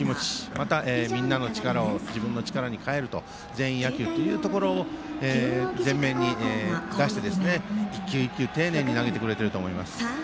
また、みんなの力を自分の力に変える全員野球というところを前面に出して１球１球丁寧に投げていると思います。